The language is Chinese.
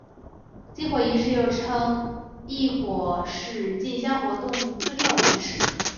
进火仪式又称刈火是进香活动最重要的仪式。